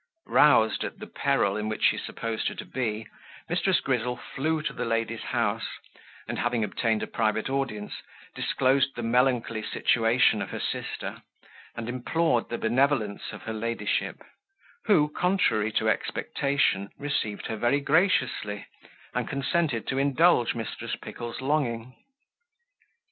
Roused at the peril in which she supposed her to be, Mrs. Grizzle flew to the lady's house, and, having obtained a private audience, disclosed the melancholy situation of her sister, and implored the benevolence of her ladyship, who, contrary to expectation, received her very graciously, and consented to indulge Mrs. Pickle's longing.